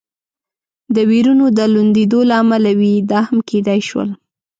د وېرونو د لوندېدو له امله وي، دا هم کېدای شول.